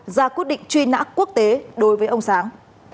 ra quyết định truy nã quốc tế đối với ông sáng